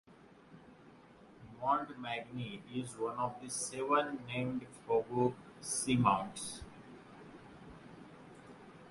Montmagny is one of the seven named Fogo Seamounts.